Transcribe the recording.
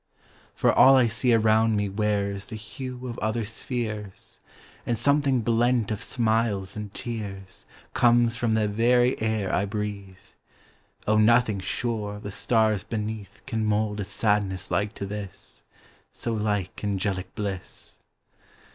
"For all I see around me wearsThe hue of other spheres; And something blent of smiles and tearsComes from the very air I breathe.O, nothing, sure, the stars beneathCan mould a sadness like to this,—So like angelic bliss."